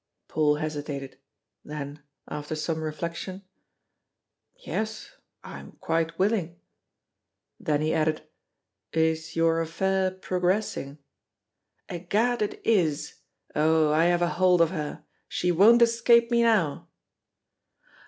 Paul hesitated; then, after some reflection: "Yes, I am quite willing." Then he added: "Is your affair progressing?" "Egad, it is! Oh! I have a hold of her. She won't escape me now."